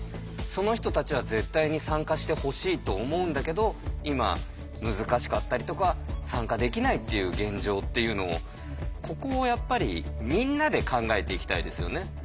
その人たちは絶対に参加してほしいと思うんだけど今難しかったりとか参加できないっていう現状っていうのをここをやっぱりみんなで考えていきたいですよね。